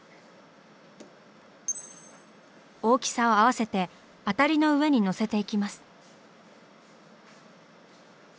大きさを合わせてアタリの上にのせていきます。